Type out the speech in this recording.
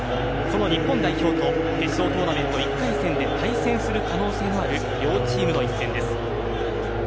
その日本代表と決勝トーナメント１回戦で対戦する可能性のある両チームの一戦です。